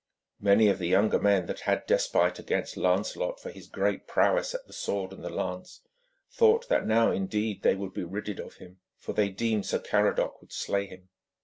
Many of the younger men that had despite against Lancelot for his greater prowess at the sword and the lance thought that now, indeed, they would be ridded of him, for they deemed Sir Caradoc would slay him.